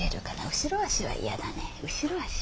後ろ足。